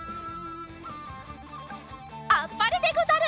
あっぱれでござる！